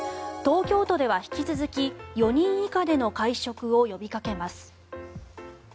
東京都では引き続き４人以下での会食を呼びかけます。